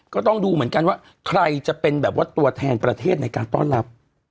ก็ต้องดูเหมือนกันว่าใครจะเป็นแบบว่าตัวแทนประเทศในการต้อนรับ